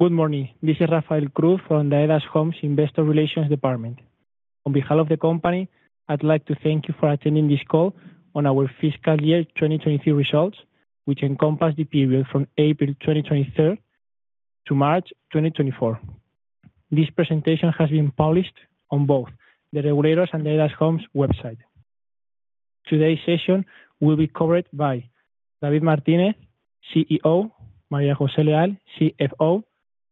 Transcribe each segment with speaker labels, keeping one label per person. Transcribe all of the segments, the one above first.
Speaker 1: Good morning. This is Rafael Cruz from the Aedas Homes Investor Relations Department. On behalf of the company, I'd like to thank you for attending this call on our fiscal year 2023 results, which encompass the period from April 2023 to March 2024. This presentation has been published on both the regulators and Aedas Homes website. Today's session will be covered by David Martínez, CEO, María José Leal, CFO,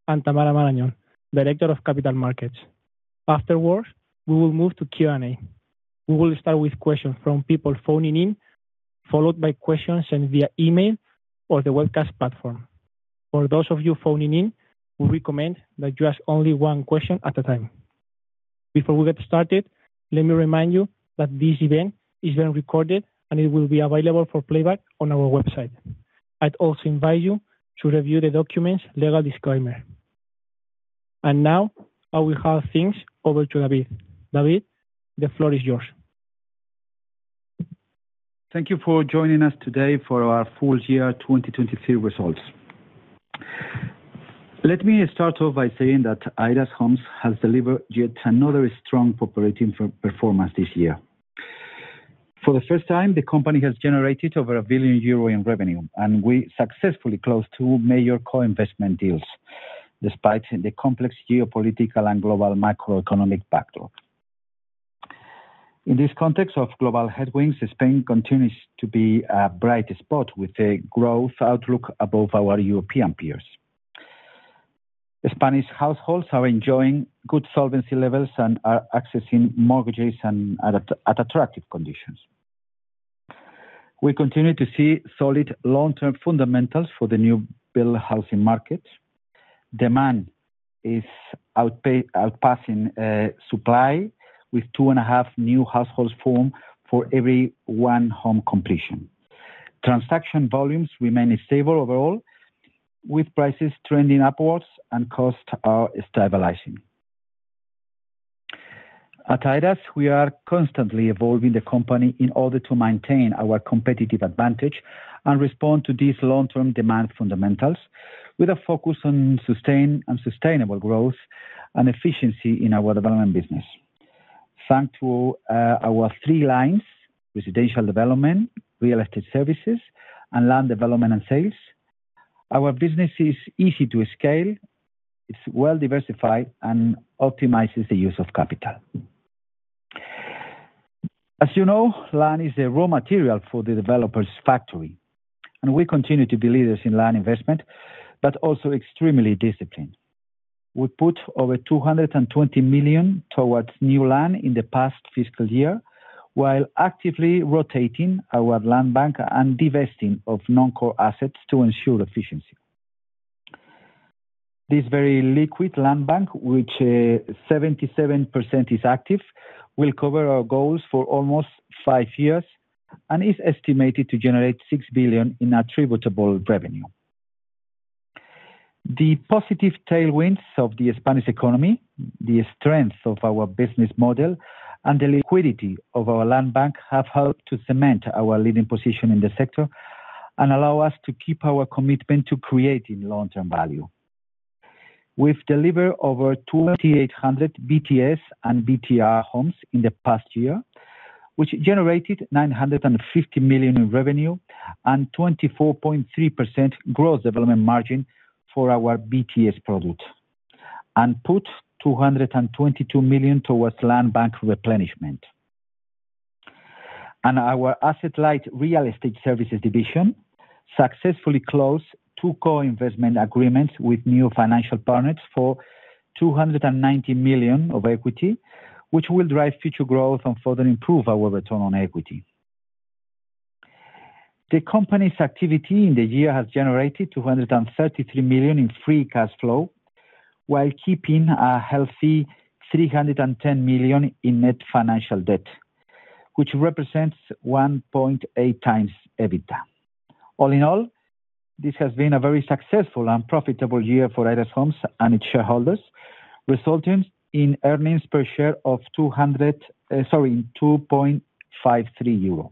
Speaker 1: and Tamara Marañón, Director of Capital Markets. Afterwards, we will move to Q&A. We will start with questions from people phoning in, followed by questions sent via email or the webcast platform. For those of you phoning in, we recommend that you ask only one question at a time. Before we get started, let me remind you that this event is being recorded and it will be available for playback on our website. I'd also invite you to review the documents' legal disclaimer. And now, I will hand things over to David. David, the floor is yours.
Speaker 2: Thank you for joining us today for our full year 2023 results. Let me start off by saying that Aedas Homes has delivered yet another strong operating performance this year. For the first time, the company has generated over 1 billion euro in revenue, and we successfully closed 2 major co-investment deals, despite the complex geopolitical and global macroeconomic backdrop. In this context of global headwinds, Spain continues to be a bright spot, with a growth outlook above our European peers. Spanish households are enjoying good solvency levels and are accessing mortgages at attractive conditions. We continue to see solid long-term fundamentals for the new build housing market. Demand is outpassing supply, with 2.5 new households formed for every one home completion. Transaction volumes remain stable overall, with prices trending upwards and costs are stabilizing. At Aedas, we are constantly evolving the company in order to maintain our competitive advantage and respond to these long-term demand fundamentals, with a focus on sustainable growth and efficiency in our development business. Thanks to our three lines, residential development, real estate services, and land development and sales, our business is easy to scale, it's well-diversified, and optimizes the use of capital. As you know, land is a raw material for the developer's factory, and we continue to be leaders in land investment, but also extremely disciplined. We put over 220 million towards new land in the past fiscal year, while actively rotating our land bank and divesting of non-core assets to ensure efficiency. This very liquid land bank, which 77% is active, will cover our goals for almost five years and is estimated to generate 6 billion in attributable revenue. The positive tailwinds of the Spanish economy, the strength of our business model, and the liquidity of our land bank, have helped to cement our leading position in the sector and allow us to keep our commitment to creating long-term value. We've delivered over 208 BTS and BTR homes in the past year, which generated 950 million in revenue and 24.3% growth development margin for our BTS product, and put 222 million towards land bank replenishment. Our asset-light real estate services division successfully closed two co-investment agreements with new financial partners for 290 million of equity, which will drive future growth and further improve our return on equity. The company's activity in the year has generated 233 million in free cash flow, while keeping a healthy 310 million in net financial debt, which represents 1.8 times EBITDA. All in all, this has been a very successful and profitable year for Aedas Homes and its shareholders, resulting in earnings per share of 200, sorry, 2.53 euro.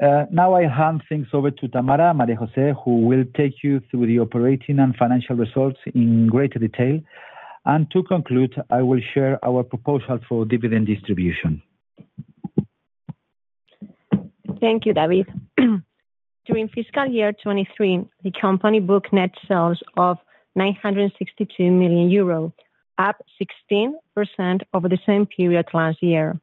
Speaker 2: Now, I hand things over to Tamara, María José, who will take you through the operating and financial results in greater detail. To conclude, I will share our proposal for dividend distribution.
Speaker 3: Thank you, David. During fiscal year 2023, the company booked net sales of 962 million euro, up 16% over the same period last year.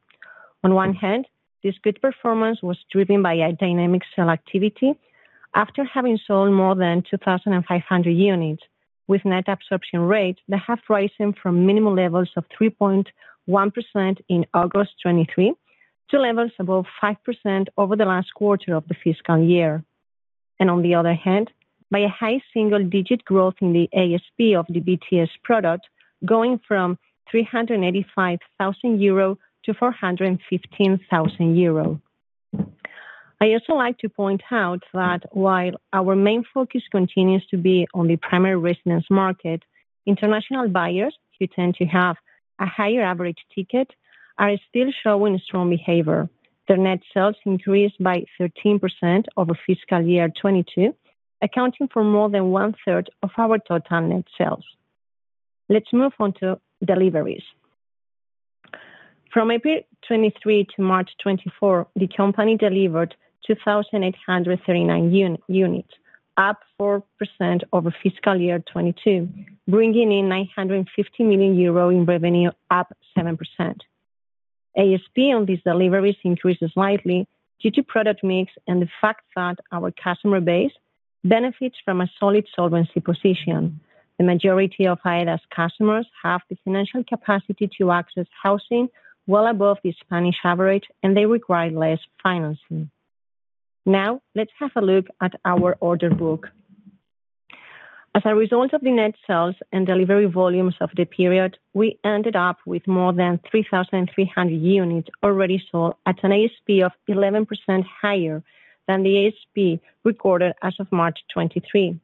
Speaker 3: On one hand, this good performance was driven by a dynamic sale activity after having sold more than 2,500 units, with net absorption rates that have risen from minimum levels of 3.1% in August 2023, to levels above 5% over the last quarter of the fiscal year. And on the other hand, by a high single-digit growth in the ASP of the BTS product, going from 385,000 euro to 415,000 euro. I also like to point out that while our main focus continues to be on the primary residence market, international buyers, who tend to have a higher average ticket, are still showing strong behavior. The net sales increased by 13% over fiscal year 2022, accounting for more than one-third of our total net sales. Let's move on to deliveries. From April 2023 to March 2024, the company delivered 2,839 units, up 4% over fiscal year 2022, bringing in 950 million euro in revenue, up 7%. ASP on these deliveries increased slightly due to product mix and the fact that our customer base benefits from a solid solvency position. The majority of Aedas customers have the financial capacity to access housing well above the Spanish average, and they require less financing. Now, let's have a look at our order book. As a result of the net sales and delivery volumes of the period, we ended up with more than 3,300 units already sold at an ASP of 11% higher than the ASP recorded as of March 2023.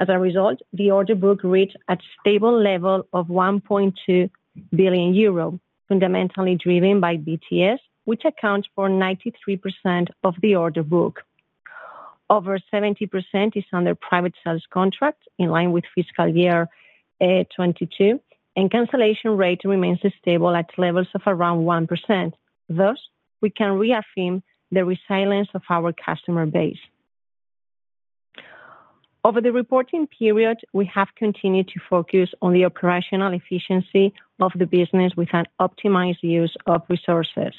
Speaker 3: As a result, the order book reached a stable level of 1.2 billion euro, fundamentally driven by BTS, which accounts for 93% of the order book. Over 70% is under private sales contract, in line with fiscal year 2022, and cancellation rate remains stable at levels of around 1%. Thus, we can reaffirm the resilience of our customer base. Over the reporting period, we have continued to focus on the operational efficiency of the business with an optimized use of resources.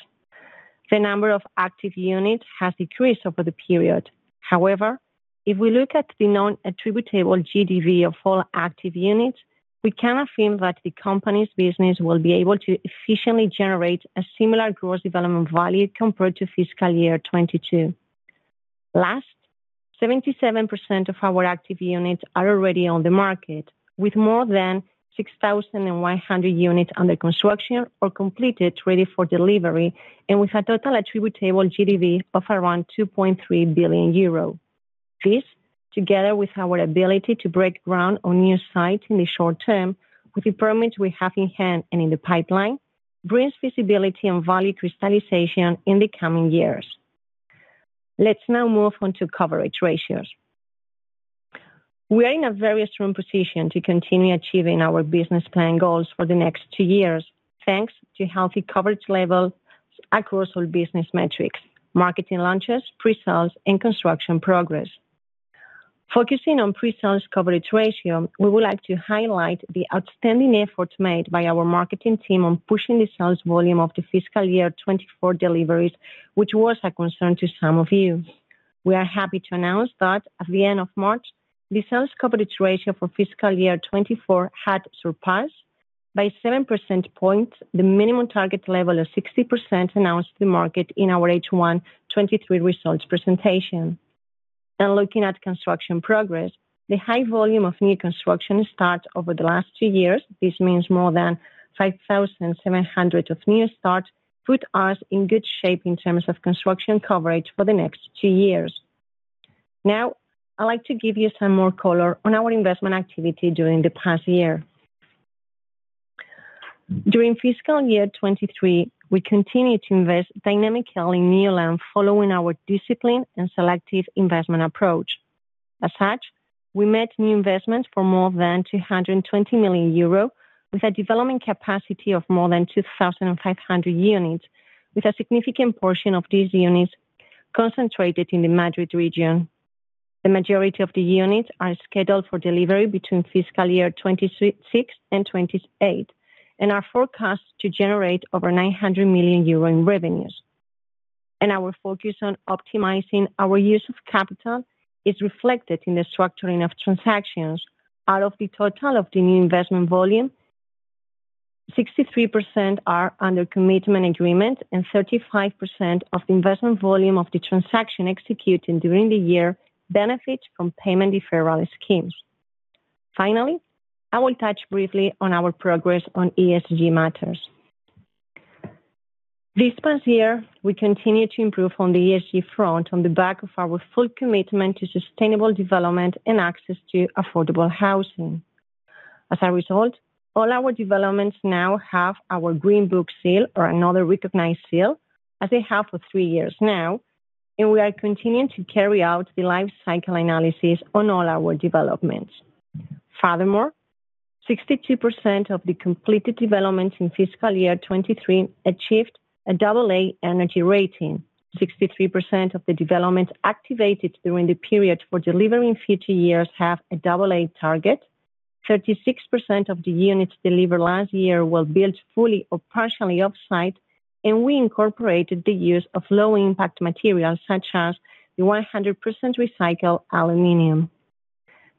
Speaker 3: The number of active units has decreased over the period. However, if we look at the non-attributable GDV of all active units, we can affirm that the company's business will be able to efficiently generate a similar gross development value compared to fiscal year 2022. Lastly, 77% of our active units are already on the market, with more than 6,100 units under construction or completed, ready for delivery, and with a total attributable GDV of around 2.3 billion euro. This, together with our ability to break ground on new sites in the short term, with the permits we have in hand and in the pipeline, brings visibility and value crystallization in the coming years. Let's now move on to coverage ratios. We are in a very strong position to continue achieving our business plan goals for the next two years, thanks to healthy coverage levels across all business metrics, marketing launches, pre-sales, and construction progress. Focusing on pre-sales coverage ratio, we would like to highlight the outstanding efforts made by our marketing team on pushing the sales volume of the fiscal year 2024 deliveries, which was a concern to some of you. We are happy to announce that at the end of March, the sales coverage ratio for fiscal year 2024 had surpassed by 7 percentage points, the minimum target level of 60% announced to the market in our H1 2023 results presentation. Now, looking at construction progress, the high volume of new construction start over the last two years, this means more than 5,700 of new starts, put us in good shape in terms of construction coverage for the next two years. Now, I'd like to give you some more color on our investment activity during the past year. During fiscal year 2023, we continued to invest dynamically in new land, following our discipline and selective investment approach. As such, we made new investments for more than 220 million euro, with a development capacity of more than 2,500 units, with a significant portion of these units concentrated in the Madrid region. The majority of the units are scheduled for delivery between fiscal year 2026 and 2028, and are forecast to generate over 900 million euro in revenues. Our focus on optimizing our use of capital is reflected in the structuring of transactions. Out of the total of the new investment volume, 63% are under commitment agreement and 35% of the investment volume of the transaction executing during the year benefits from payment deferral schemes. Finally, I will touch briefly on our progress on ESG matters. This past year, we continued to improve on the ESG front on the back of our full commitment to sustainable development and access to affordable housing. As a result, all our developments now have our Green Book seal or another recognized seal, as they have for 3 years now, and we are continuing to carry out the life cycle analysis on all our developments. Furthermore, 62% of the completed developments in fiscal year 2023 achieved a AA Energy Rating. 63% of the developments activated during the period for delivery in future years have a AA target. 36% of the units delivered last year were built fully or partially offsite, and we incorporated the use of low-impact materials, such as the 100% recycled aluminum.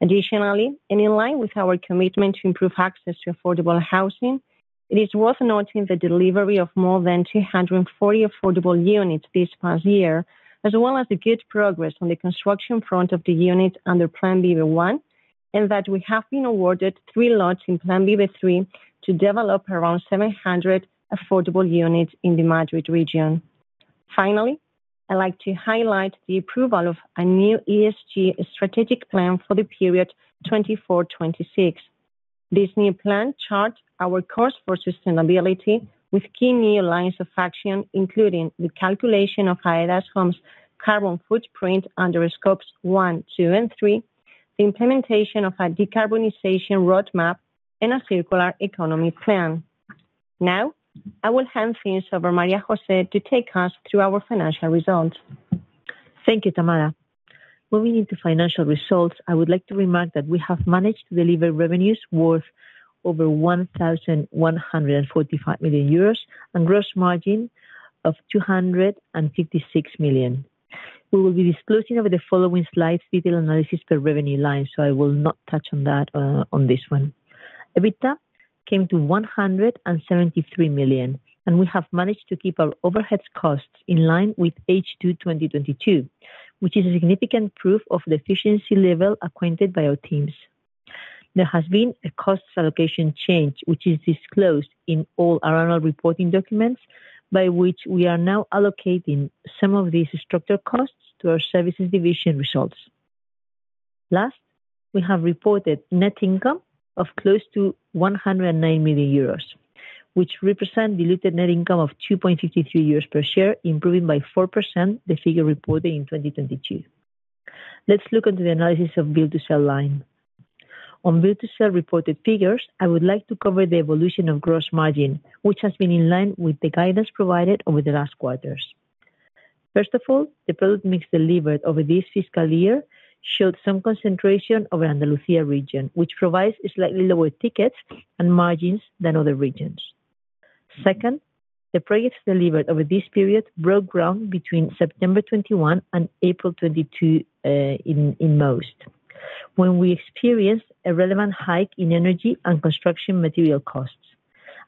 Speaker 3: Additionally, and in line with our commitment to improve access to affordable housing, it is worth noting the delivery of more than 240 affordable units this past year, as well as the good progress on the construction front of the units under Plan Vive I, and that we have been awarded 3 lots in Plan Vive III to develop around 700 affordable units in the Madrid region. Finally, I'd like to highlight the approval of a new ESG Strategic Plan 2024-2026. This new plan charts our course for sustainability with key new lines of action, including the calculation of Aedas Homes' carbon footprint under Scope 1, 2, and 3, the implementation of a decarbonization roadmap, and a circular economy plan. Now, I will hand things over to María José to take us through our financial results.
Speaker 4: Thank you, Tamara. Moving into financial results, I would like to remark that we have managed to deliver revenues worth over 1,145 million euros and gross margin of 256 million. We will be disclosing over the following slides, detailed analysis per revenue line, so I will not touch on that, on this one. EBITDA came to 173 million, and we have managed to keep our overhead costs in line with H2 2022, which is a significant proof of the efficiency level achieved by our teams. There has been a cost allocation change, which is disclosed in all our annual reporting documents, by which we are now allocating some of these structural costs to our services division results. Last, we have reported net income of close to 109 million euros, which represent diluted net income of 2.53 euros per share, improving by 4% the figure reported in 2022. Let's look into the analysis of build to sell line. On build to sell reported figures, I would like to cover the evolution of gross margin, which has been in line with the guidance provided over the last quarters. First of all, the product mix delivered over this fiscal year showed some concentration over Andalusia region, which provides a slightly lower tickets and margins than other regions. Second, the projects delivered over this period broke ground between September 2021 and April 2022, in most, when we experienced a relevant hike in energy and construction material costs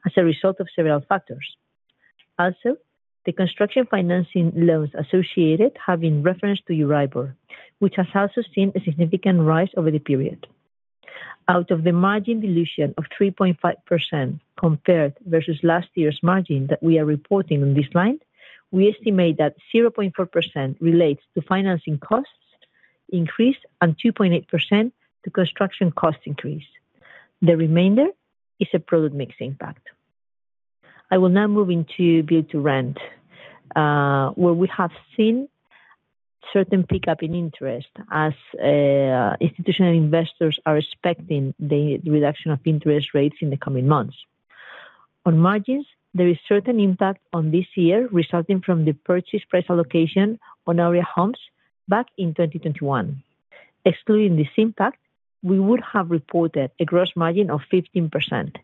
Speaker 4: as a result of several factors. Also, the construction financing loans associated have been referenced to EURIBOR, which has also seen a significant rise over the period. Out of the margin dilution of 3.5% compared versus last year's margin that we are reporting on this line, we estimate that 0.4% relates to financing costs increase, and 2.8% to construction cost increase. The remainder is a product mix impact. I will now move into build to rent, where we have seen certain pickup in interest as institutional investors are expecting the reduction of interest rates in the coming months. On margins, there is certain impact on this year resulting from the purchase price allocation on Áurea Homes back in 2021. Excluding this impact, we would have reported a gross margin of 15%,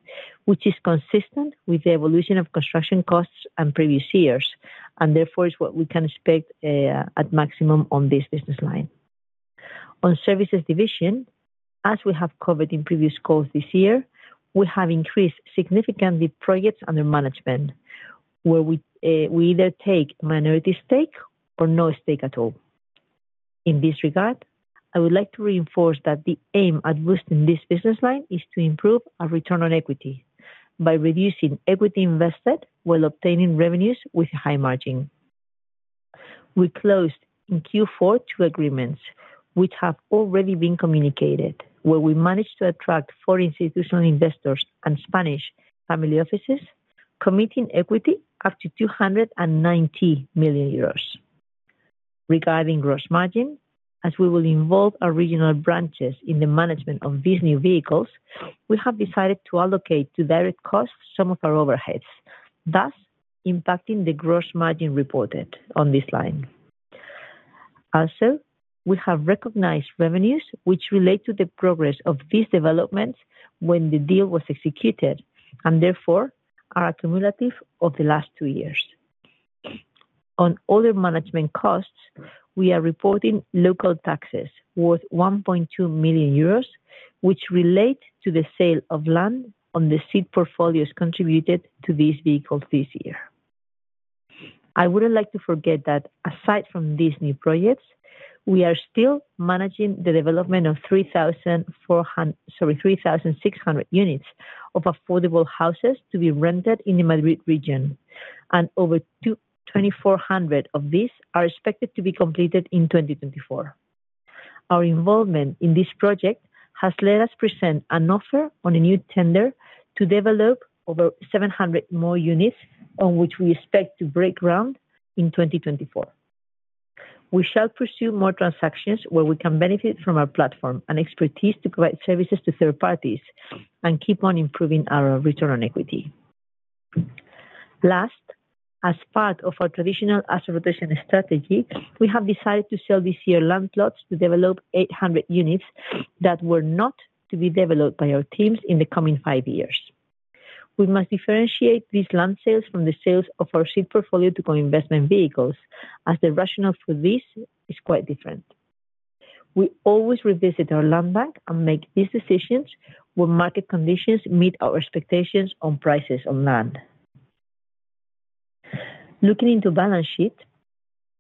Speaker 4: which is consistent with the evolution of construction costs and previous years, and therefore is what we can expect at maximum on this business line. On services division, as we have covered in previous calls this year, we have increased significantly projects under management, where we either take minority stake or no stake at all. In this regard, I would like to reinforce that the aim at boosting this business line is to improve our return on equity by reducing equity invested while obtaining revenues with high margin. We closed in Q4 2 agreements, which have already been communicated, where we managed to attract 4 institutional investors and Spanish family offices, committing equity up to 290 million euros. Regarding gross margin, as we will involve our regional branches in the management of these new vehicles, we have decided to allocate to direct costs some of our overheads, thus impacting the gross margin reported on this line. Also, we have recognized revenues which relate to the progress of these developments when the deal was executed, and therefore, are accumulative over the last two years. On other management costs, we are reporting local taxes worth 1.2 million euros, which relate to the sale of land on the seed portfolios contributed to these vehicles this year. I wouldn't like to forget that aside from these new projects, we are still managing the development of 3,600 units of affordable houses to be rented in the Madrid region, and over 2,400 of these are expected to be completed in 2024. Our involvement in this project has let us present an offer on a new tender to develop over 700 more units, on which we expect to break ground in 2024. We shall pursue more transactions where we can benefit from our platform and expertise to provide services to third parties and keep on improving our return on equity. Last, as part of our traditional asset rotation strategy, we have decided to sell this year land plots to develop 800 units that were not to be developed by our teams in the coming 5 years. We must differentiate these land sales from the sales of our seed portfolio to co-investment vehicles, as the rationale for this is quite different. We always revisit our land bank and make these decisions when market conditions meet our expectations on prices on land. Looking into balance sheet.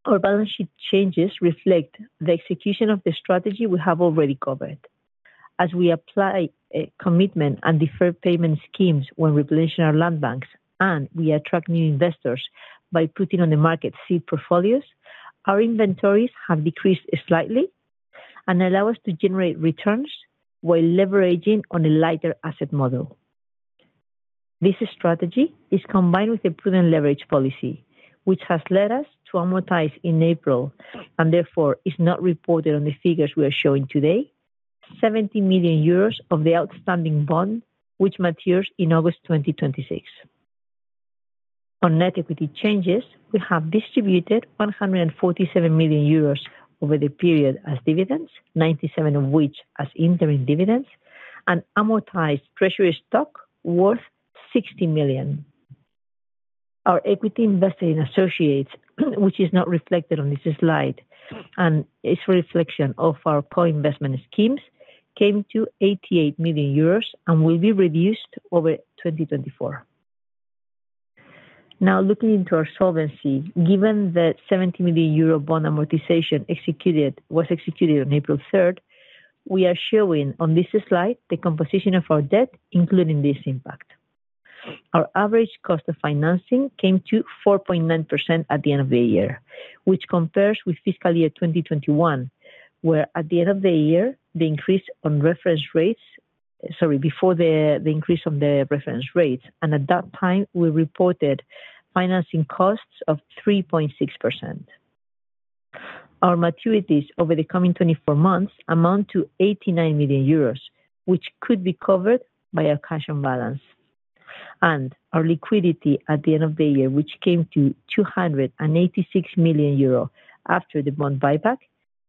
Speaker 4: Our balance sheet changes reflect the execution of the strategy we have already covered. As we apply commitment and deferred payment schemes when replenishing our land banks, and we attract new investors, by putting on the market seed portfolios, our inventories have decreased slightly and allow us to generate returns while leveraging on a lighter asset model. This strategy is combined with a prudent leverage policy, which has led us to amortize in April, and therefore is not reported on the figures we are showing today, 70 million euros of the outstanding bond, which matures in August 2026. On net equity changes, we have distributed 147 million euros over the period as dividends, 97 of which as interim dividends and amortized treasury stock worth 60 million. Our equity invested in associates, which is not reflected on this slide, and it's reflection of our co-investment schemes, came to 88 million euros and will be reduced over 2024. Now, looking into our solvency, given that 70 million euro bond amortization was executed on April 3rd, we are showing on this slide, the composition of our debt, including this impact. Our average cost of financing came to 4.9% at the end of the year, which compares with fiscal year 2021, where at the end of the year, the increase on reference rates. Sorry, before the increase on the reference rates, and at that time, we reported financing costs of 3.6%. Our maturities over the coming 24 months amount to 89 million euros, which could be covered by our cash on balance. Our liquidity at the end of the year, which came to 286 million euros after the bond buyback,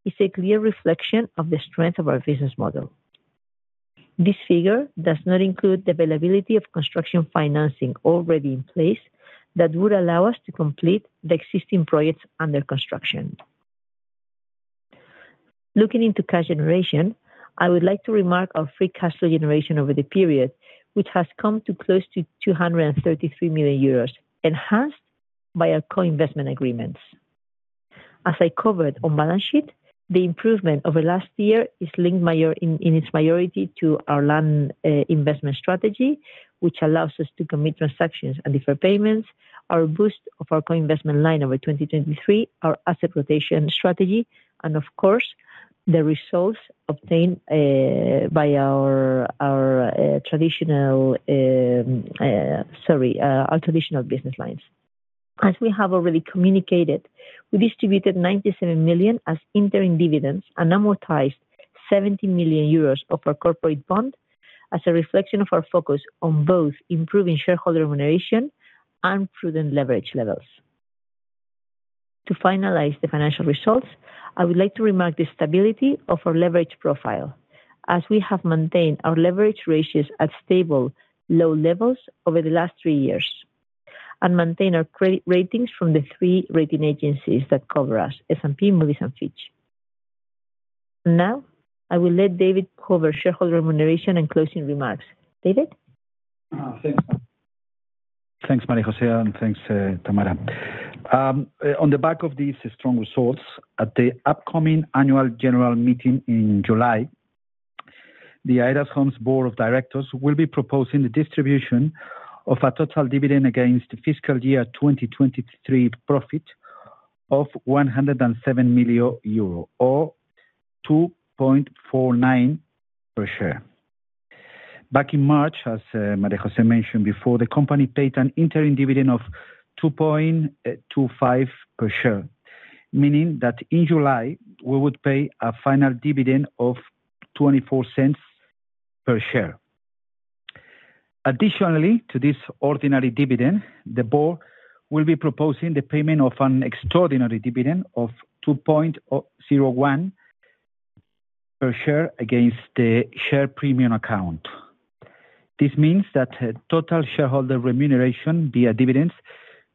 Speaker 4: is a clear reflection of the strength of our business model. This figure does not include the availability of construction financing already in place, that would allow us to complete the existing projects under construction. Looking into cash generation, I would like to remark our free cash flow generation over the period, which has come to close to 233 million euros, enhanced by our co-investment agreements. As I covered on balance sheet, the improvement over last year is linked mainly, in its majority, to our land investment strategy, which allows us to commit transactions and defer payments, our boost of our co-investment line over 2023, our asset rotation strategy, and of course, the results obtained by our traditional business lines. As we have already communicated, we distributed 97 million as interim dividends and amortized 70 million euros of our corporate bond as a reflection of our focus on both improving shareholder remuneration and prudent leverage levels. To finalize the financial results, I would like to remark the stability of our leverage profile, as we have maintained our leverage ratios at stable, low levels over the last three years, and maintain our credit ratings from the three rating agencies that cover us, S&P, Moody's and Fitch. Now, I will let David cover shareholder remuneration and closing remarks. David?
Speaker 2: Thanks. Thanks, María José, and thanks, Tamara Marañón. On the back of these strong results, at the upcoming annual general meeting in July, the Aedas Homes board of directors will be proposing the distribution of a total dividend against the fiscal year 2023 profit of 107 million euro, or 2.49 per share. Back in March, as María José mentioned before, the company paid an interim dividend of 2.25 per share, meaning that in July, we would pay a final dividend of 0.24 per share. Additionally, to this ordinary dividend, the board will be proposing the payment of an extraordinary dividend of 2.01 per share against the share premium account. This means that total shareholder remuneration via dividends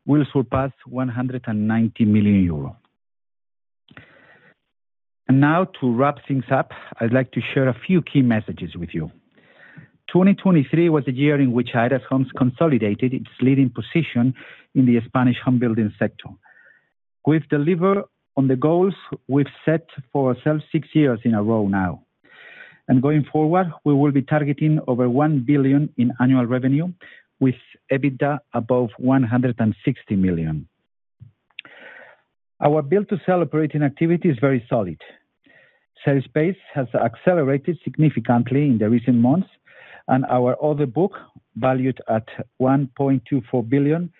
Speaker 2: will surpass 190 million euro. And now, to wrap things up, I'd like to share a few key messages with you. 2023 was a year in which Aedas Homes consolidated its leading position in the Spanish home building sector. We've delivered on the goals we've set for ourselves six years in a row now. And going forward, we will be targeting over 1 billion in annual revenue, with EBITDA above 160 million. Our build-to-sell operating activity is very solid. Sales pace has accelerated significantly in the recent months, and our order book, valued at 1.24 billion,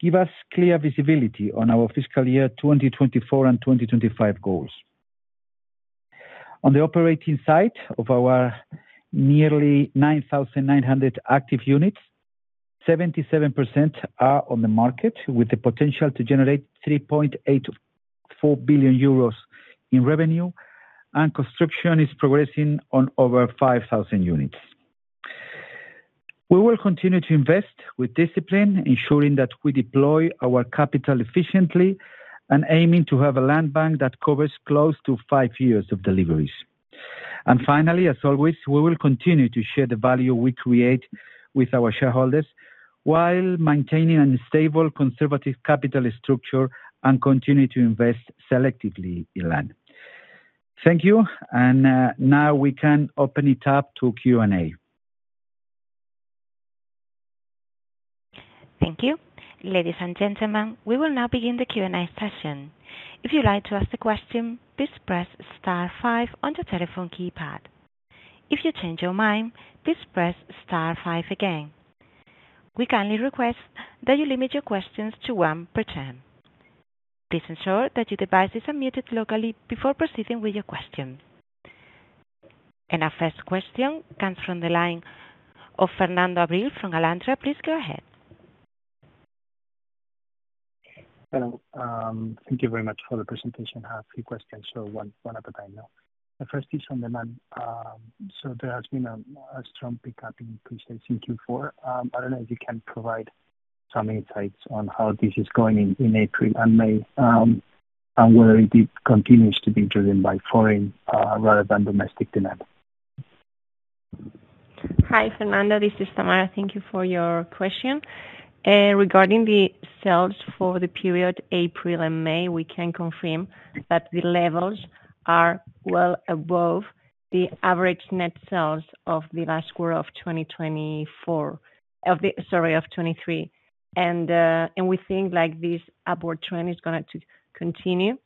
Speaker 2: give us clear visibility on our fiscal year 2024 and 2025 goals. On the operating side of our nearly 9,900 active units, 77% are on the market, with the potential to generate 3.84 billion euros in revenue, and construction is progressing on over 5,000 units. We will continue to invest with discipline, ensuring that we deploy our capital efficiently, and aiming to have a land bank that covers close to five years of deliveries. And finally, as always, we will continue to share the value we create with our shareholders, while maintaining a stable conservative capital structure, and continue to invest selectively in land. Thank you, and, now we can open it up to Q&A.
Speaker 5: Thank you. Ladies and gentlemen, we will now begin the Q&A session. If you'd like to ask a question, please press star five on your telephone keypad. If you change your mind, please press star five again. We kindly request that you limit your questions to one per turn. Please ensure that your device is unmuted locally before proceeding with your question. Our first question comes from the line of Fernando Abril from Alantra. Please go ahead.
Speaker 6: Hello, thank you very much for the presentation. I have a few questions, so one at a time now. The first is on demand. So there has been a strong pickup in pre-sales in Q4. I don't know if you can provide some insights on how this is going in April and May, and whether it continues to be driven by foreign rather than domestic demand.
Speaker 3: Hi, Fernando, this is Tamara. Thank you for your question. Regarding the sales for the period April and May, we can confirm that the levels are well above the average net sales of the last quarter of 2024, of the, sorry, of 2023. And we think, like, this upward trend is gonna to continue,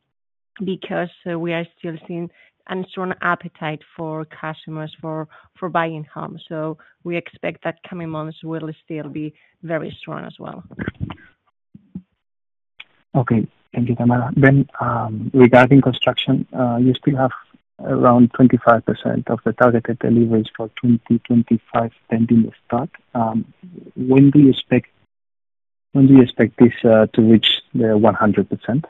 Speaker 3: because we are still seeing a strong appetite for customers for, for buying homes, so we expect that coming months will still be very strong as well.
Speaker 6: Okay, thank you, Tamara. Then, regarding construction, you still have around 25% of the targeted deliveries for 2025 pending start. When do you expect this to reach the 100%?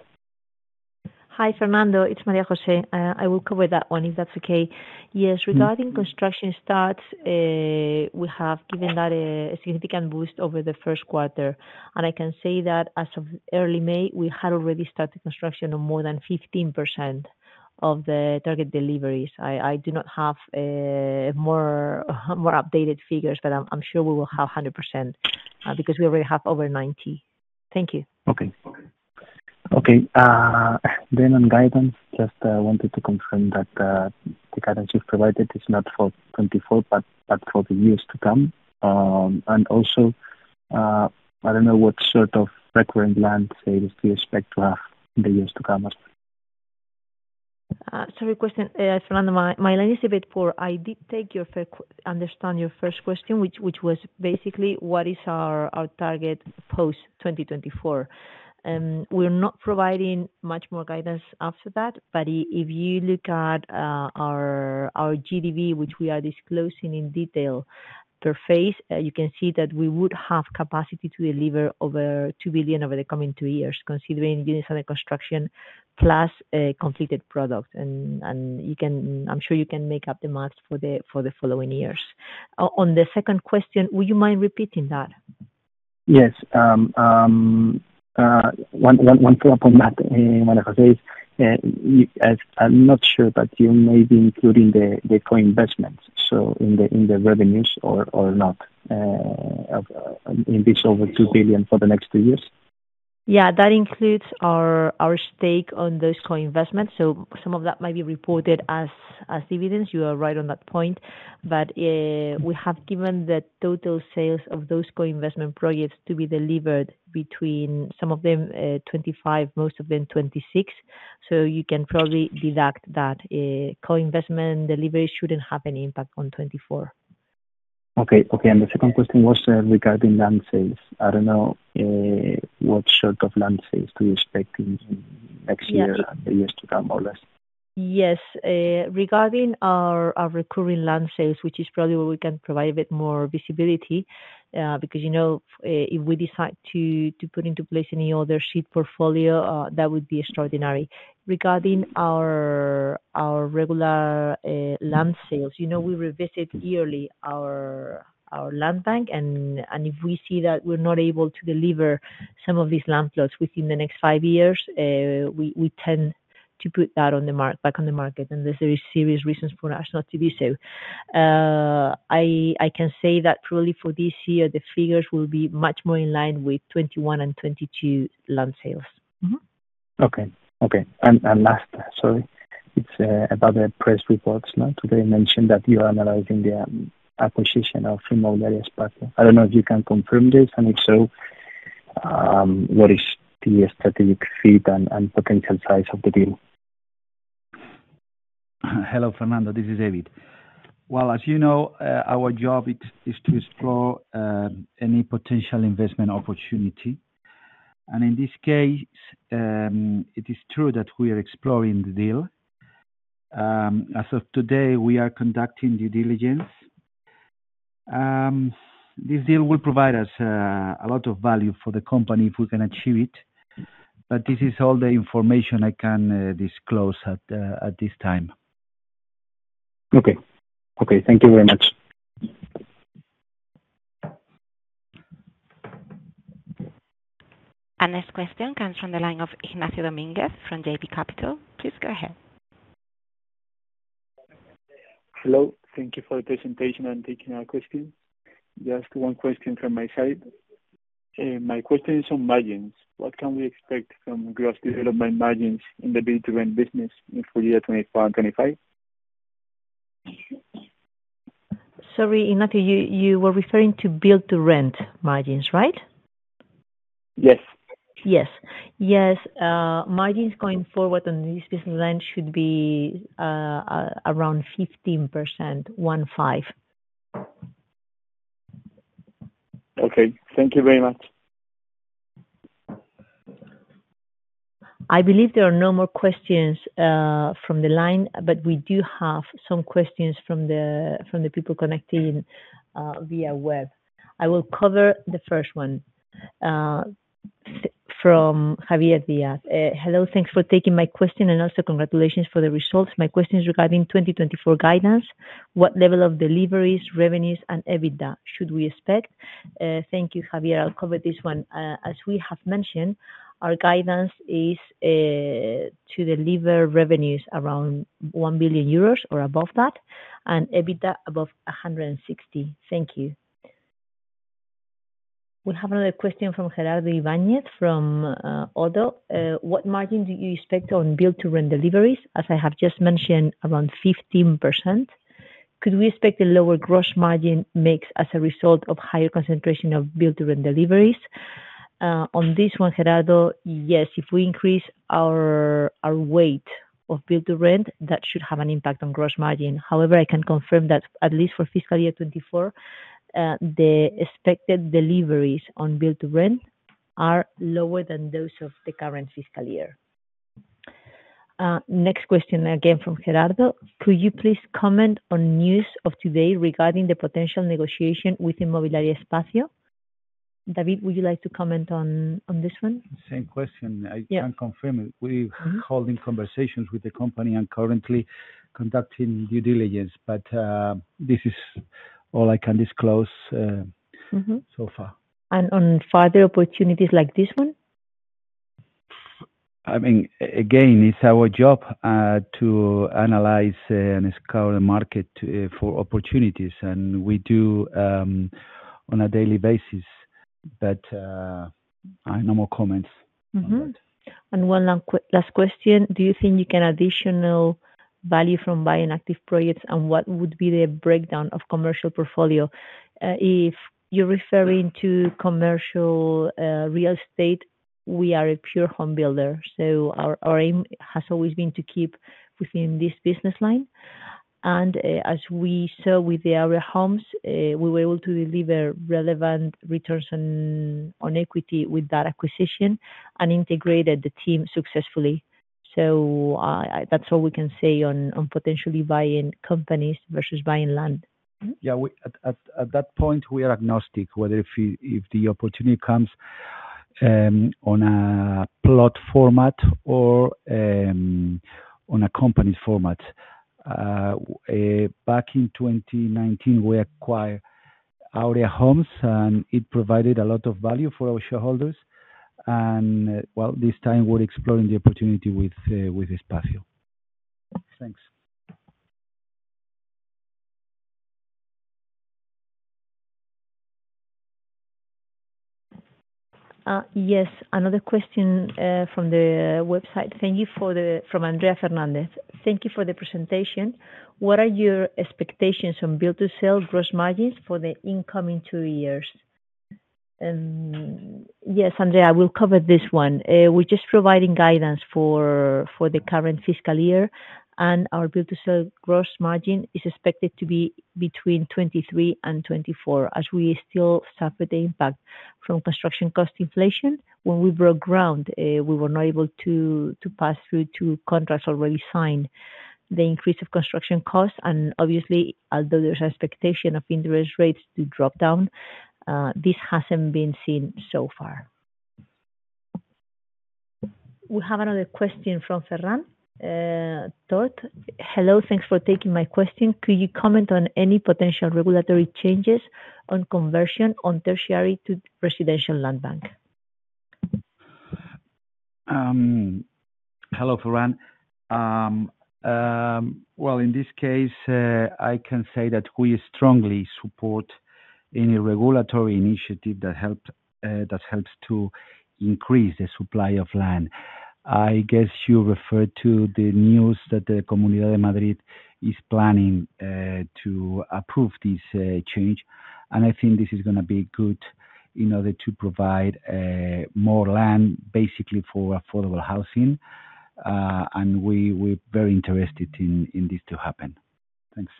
Speaker 4: Hi, Fernando, it's María José. I will cover that one, if that's okay. Yes, regarding construction starts, we have given that a significant boost over the first quarter, and I can say that as of early May, we had already started construction on more than 15% of the target deliveries. I do not have more updated figures, but I'm sure we will have 100%, because we already have over 90. Thank you.
Speaker 6: Okay. Okay, then on guidance, just wanted to confirm that the guidance you've provided is not for 2024, but, but for the years to come. And also, I don't know what sort of recurrent land sales do you expect to have in the years to come?
Speaker 4: Sorry, Fernando, my line is a bit poor. I understood your first question, which was basically what is our target post-2024? We're not providing much more guidance after that, but if you look at our GDV, which we are disclosing in detail per phase, you can see that we would have capacity to deliver over 2 billion over the coming two years, considering business under construction, plus a completed product. And you can. I'm sure you can make up the math for the following years. On the second question, would you mind repeating that?
Speaker 6: Yes. One point on that, María José—you—I’m not sure, but you may be including the co-investments, so in the revenues or not of in this over 2 billion for the next two years.
Speaker 4: Yeah, that includes our, our stake on those co-investments, so some of that might be reported as, as dividends. You are right on that point. But, we have given the total sales of those co-investment projects to be delivered between some of them, 25, most of them 26. So you can probably deduct that, co-investment delivery shouldn't have any impact on 2024.
Speaker 6: Okay. Okay, and the second question was, regarding land sales. I don't know, what sort of land sales do you expect in next year?
Speaker 4: Yeah.
Speaker 6: and the years to come, more or less?
Speaker 4: Yes. Regarding our recurring land sales, which is probably where we can provide a bit more visibility, because, you know, if we decide to put into place any other sheet portfolio, that would be extraordinary. Regarding our regular land sales, you know, we revisit yearly our land bank, and if we see that we're not able to deliver some of these land plots within the next five years, we tend to put that back on the market, unless there is serious reasons for us not to do so. I can say that probably for this year, the figures will be much more in line with 2021 and 2022 land sales. Mm-hmm.
Speaker 6: Okay. Okay, and last, sorry, it's about the press reports. Now, today mentioned that you are analyzing the acquisition of Inmobiliaria Espacio in this quarter. I don't know if you can confirm this, and if so, what is the strategic fit and potential size of the deal?
Speaker 2: Hello, Fernando, this is David. Well, as you know, our job is to explore any potential investment opportunity. And in this case, it is true that we are exploring the deal. As of today, we are conducting due diligence. This deal will provide us a lot of value for the company if we can achieve it, but this is all the information I can disclose at this time.
Speaker 6: Okay. Okay, thank you very much.
Speaker 5: Our next question comes from the line of Ignacio Domínguez from JB Capital Markets. Please go ahead.
Speaker 7: Hello. Thank you for the presentation and taking our questions. Just one question from my side. My question is on margins. What can we expect from gross development margins in the build-to-rent business in full year 2024 and 2025?
Speaker 4: Sorry, Ignacio, you were referring to build-to-rent margins, right?
Speaker 7: Yes.
Speaker 4: Yes. Yes, margins going forward on this business line should be around 15%, One Five.
Speaker 7: Okay. Thank you very much.
Speaker 4: I believe there are no more questions from the line, but we do have some questions from the people connecting via web. I will cover the first one from Javier Díaz. Hello, thanks for taking my question, and also congratulations for the results. My question is regarding 2024 guidance, what level of deliveries, revenues, and EBITDA should we expect? Thank you, Javier. I'll cover this one. As we have mentioned, our guidance is to deliver revenues around 1 billion euros or above that, and EBITDA above 160. Thank you. We have another question from Gerardo Ibáñez from Oddo BHF. What margin do you expect on build-to-rent deliveries? As I have just mentioned, around 15%. Could we expect a lower gross margin mix as a result of higher concentration of build-to-rent deliveries? On this one, Gerardo, yes, if we increase our, our weight of build-to-rent, that should have an impact on gross margin. However, I can confirm that at least for fiscal year 2024, the expected deliveries on build-to-rent are lower than those of the current fiscal year. Next question, again, from Gerardo: Could you please comment on news of today regarding the potential negotiation with Inmobiliaria Espacio? David, would you like to comment on, on this one?
Speaker 2: Same question.
Speaker 4: Yeah.
Speaker 2: I can confirm it. We're holding conversations with the company and currently conducting due diligence, but this is all I can disclose, -
Speaker 4: Mm-hmm
Speaker 2: -so far.
Speaker 4: On further opportunities like this one?
Speaker 2: I mean, again, it's our job to analyze and scour the market for opportunities, and we do on a daily basis, but no more comments on that.
Speaker 4: Mm-hmm. And one last question: Do you think you can additional value from buying active projects, and what would be the breakdown of commercial portfolio? If you're referring to commercial real estate, we are a pure home builder, so our aim has always been to keep within this business line. And as we saw with the Áurea Homes, we were able to deliver relevant returns on equity with that acquisition, and integrated the team successfully. So that's all we can say on potentially buying companies versus buying land. Mm-hmm.
Speaker 2: Yeah, we at that point are agnostic whether the opportunity comes on a plot format or on a company format. Back in 2019, we acquired Áurea Homes, and it provided a lot of value for our shareholders. Well, this time we're exploring the opportunity with Espacio. Thanks.
Speaker 4: Yes, another question from the website. Thank you for the, From Andrea Fernández: Thank you for the presentation. What are your expectations on build to sell gross margins for the incoming two years? Yes, Andrea, I will cover this one. We're just providing guidance for the current fiscal year, and our build to sell gross margin is expected to be between 23% and 24%, as we still suffer the impact from construction cost inflation. When we broke ground, we were not able to pass through to contracts already signed the increase of construction costs, and obviously, although there's expectation of interest rates to drop down, this hasn't been seen so far. We have another question from Ferran Tort. Hello, thanks for taking my question. Could you comment on any potential regulatory changes on conversion on tertiary to residential land bank?
Speaker 2: Hello, Ferran. Well, in this case, I can say that we strongly support any regulatory initiative that helps to increase the supply of land. I guess you referred to the news that the Comunidad de Madrid is planning to approve this change, and I think this is gonna be good in order to provide more land, basically for affordable housing. And we're very interested in this to happen. Thanks.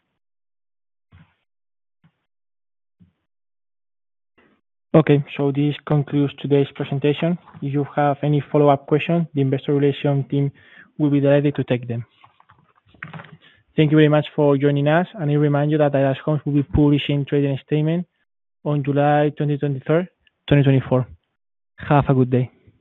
Speaker 1: Okay, this concludes today's presentation. If you have any follow-up questions, the Investor Relations team will be ready to take them. Thank you very much for joining us, and I remind you that Aedas Homes will be publishing trading statement on July 23, 2024. Have a good day.